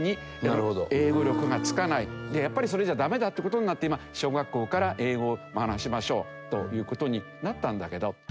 実はやっぱりそれじゃダメだって事になって今小学校から英語を学びましょうという事になったんだけど。